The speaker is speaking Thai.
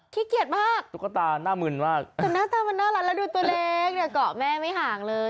ขี้เกียจมากแต่หน้าตามันน่ารักแล้วดูตัวเล็กเนี่ยเกาะแม่ไม่ห่างเลย